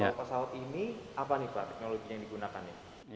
kalau pesawat ini apa nih pak teknologinya yang digunakannya